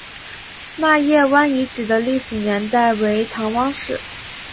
纳业湾遗址的历史年代为唐汪式。